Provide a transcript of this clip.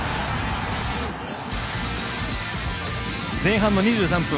前半の２３分